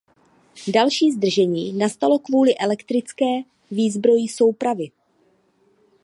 Další zdržení nastalo kvůli elektrické výzbroji soupravy.